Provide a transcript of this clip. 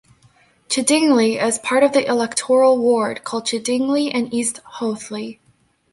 Chiddingly is part of the electoral ward called Chiddingly and East Hoathly.